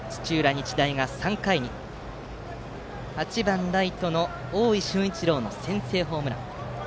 日大が３回に８番ライトの大井駿一郎の先制ホームラン。